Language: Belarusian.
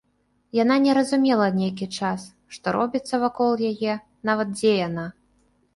Яна не разумела нейкі час, што робіцца вакол яе, нават дзе яна.